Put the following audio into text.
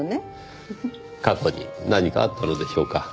過去に何かあったのでしょうか？